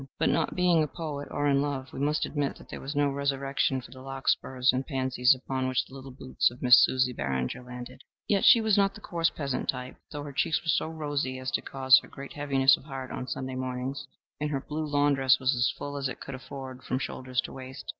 But not being a poet or in love, we must admit that there was no resurrection for the larkspurs and pansies upon which the little boots of Miss Susie Barringer landed. Yet she was not of the coarse peasant type, though her cheeks were so rosy as to cause her great heaviness of heart on Sunday mornings, and her blue lawn dress was as full as it could afford from shoulders to waist.